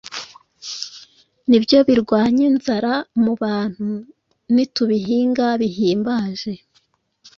Ni byo birwanya inzara mu bantu nitubihinga bihimbaje